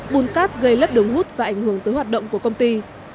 bùn cát gây lấp đường hút và ảnh hưởng tới hoạt động của công ty